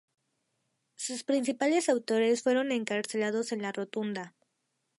Sus principales autores fueron encarcelados en La Rotunda.